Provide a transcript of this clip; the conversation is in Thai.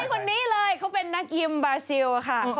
คนนี้เลยเขาเป็นนักยิมบาซิลค่ะ